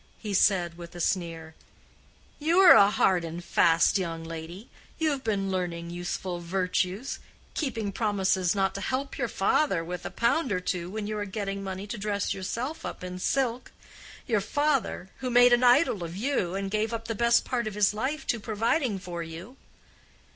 He said, with a sneer, "You are a hard and fast young lady—you have been learning useful virtues—keeping promises not to help your father with a pound or two when you are getting money to dress yourself in silk—your father who made an idol of you, and gave up the best part of his life to providing for you."